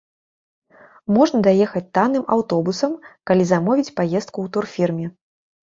Можна даехаць танным аўтобусам, калі замовіць паездку ў турфірме.